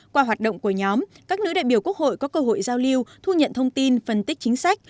qua hoạt động của nhóm các nữ đại biểu quốc hội có cơ hội giao lưu thu nhận thông tin phân tích chính sách